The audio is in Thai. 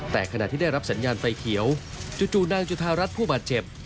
แต่ขณะที่ได้รับสัญญาณไฟเขียวจู่นางจุธารัฐผู้บาดเจ็บ